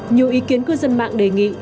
nhiều ý kiến cư dân mạng đề nghị